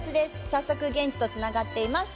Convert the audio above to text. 早速現地とつながっています。